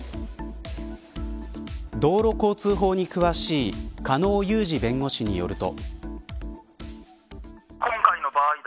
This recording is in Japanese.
道路交通法に詳しい狩野祐二弁護士によると。